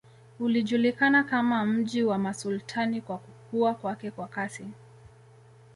Ulijulikana kama mji wa masultani kwa kukua kwake kwa kasi